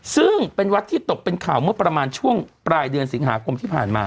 ซึ่งเป็นวัดที่ตกเป็นข่าวเมื่อประมาณช่วงปลายเดือนสิงหาคมที่ผ่านมา